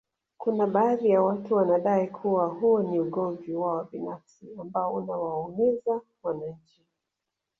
Kuna baadhi ya watu wanadai kuwa huo ni ugomvi wao binafsi ambao unawaumiza wananchi